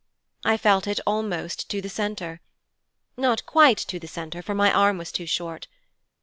I felt it almost to the centre. Not quite to the centre, for my arm was too short.